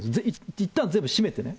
いったん、全部閉めてね。